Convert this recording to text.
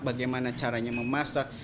bagaimana caranya memasak